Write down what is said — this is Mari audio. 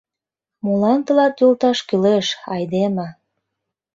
Молан тылат йолташ кӱлеш, айдеме?